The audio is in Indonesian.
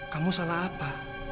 kamu salah apa